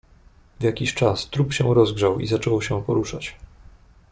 "W jakiś czas trup się rozgrzał i zaczął się poruszać."